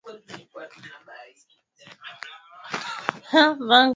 Hwangho au mto njano pia kuna mto Xi Jiang